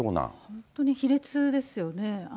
本当に卑劣ですよね。